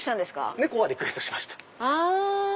猫はリクエストしました。